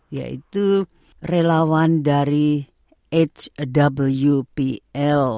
yaitu relawan dari hwpl